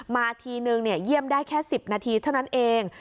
ทีนึงเยี่ยมได้แค่๑๐นาทีเท่านั้นเอง